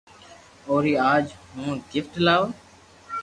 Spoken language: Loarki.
اوري آج ھون گفت لاوُ